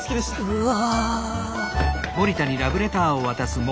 うわ！